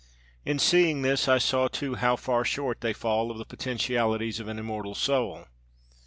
In seeing this I saw too how far short they fall of the potentialities of an immortal soul.